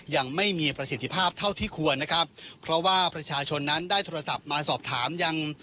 ยังไม่มีประสิทธิภาพเท่าที่ควรนะครับเพราะว่าประชาชนนั้นได้โทรศัพท์มาสอบถามยัง